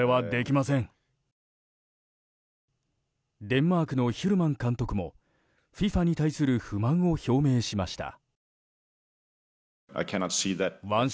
デンマークのヒュルマン監督もＦＩＦＡに対する不満を表明しました。